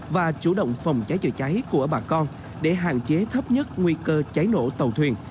và chủ động phòng cháy chữa cháy của bà con để hạn chế thấp nhất nguy cơ cháy nổ tàu thuyền